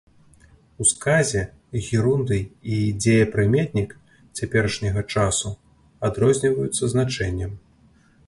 У сказе герундый і дзеепрыметнік цяперашняга часу адрозніваюцца значэннем.